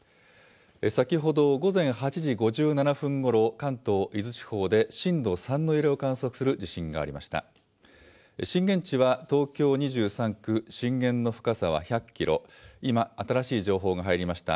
先ほど午前８時５７分ごろ、関東、伊豆地方で震度３の揺れを観測する地震がありました。